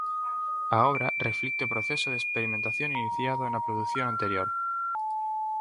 A obra reflicte o proceso de experimentación iniciado na produción anterior.